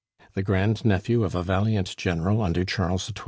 "The grand nephew of a valiant General under Charles XII.